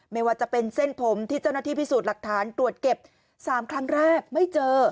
ไม่ว่าจะเป็นเส้นผมที่เจ้าหน้าที่พิสูจน์หลักฐานตรวจเก็บ๓ครั้งแรกไม่เจอ